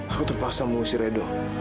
aku terpaksa mengusir edo